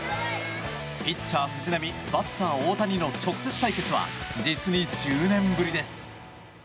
ピッチャー、藤浪バッター、大谷の直接対決は実に１０年ぶりです。